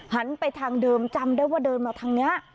หันไปทางเดิมจำได้ว่าเดินมาทางนี้